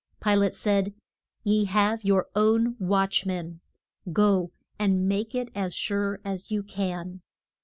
Pi late said, Ye have your own watch men. Go and make it as sure as you can.